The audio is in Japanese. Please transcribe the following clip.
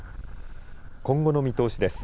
今後の見通しです。